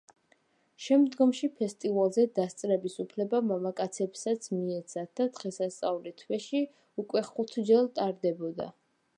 შემდგომში, ფესტივალზე დასწრების უფლება მამაკაცებსაც მიეცათ და დღესასწაული თვეში უკვე ხუთჯერ ტარდებოდა.